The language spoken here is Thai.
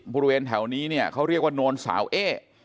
บริเวณแถวนี้เนี่ยเขาเรียกว่าโนนสาวเอ๊